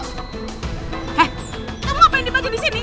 kamu mau dibagiin disini